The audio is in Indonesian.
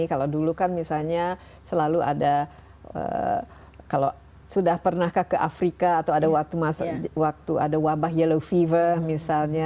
kalau dulu kan misalnya selalu ada kalau sudah pernahkah ke afrika atau ada waktu ada wabah yellow fever misalnya